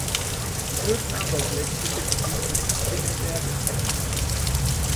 Die größten Anbauflächen befinden sich zwischen Zwingenberg und Heppenheim.